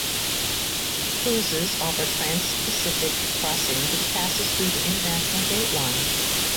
Cruises offer transpacific crossing which passes through the International Date Line.